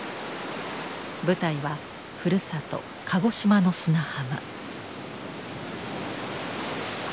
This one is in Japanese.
舞台はふるさと鹿児島の砂浜。